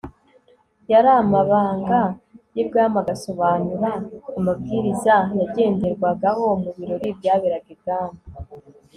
yari amabanga y'i bwami agasobanura amabwiriza yagenderwagaho ku birori byaberaga ibwami